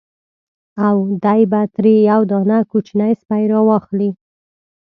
او دی به ترې یو دانه کوچنی سپی را واخلي.